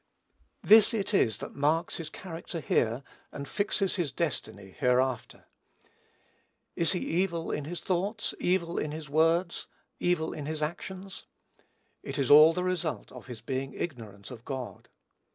This it is that marks his character here, and fixes his destiny hereafter. Is he evil in his thoughts, evil in his words, evil in his actions? It is all the result of his being ignorant of God.